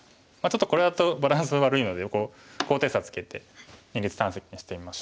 ちょっとこれだとバランス悪いので高低差つけて二立三析にしてみましょう。